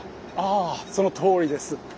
ああそのとおりです。